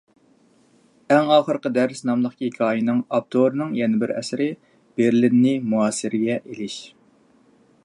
«ئەڭ ئاخىرقى دەرس» ناملىق ھېكايىنىڭ ئاپتورىنىڭ يەنە بىر ئەسىرى — «بېرلىننى مۇھاسىرىگە ئېلىش».